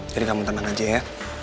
jadi kamu teman aja ya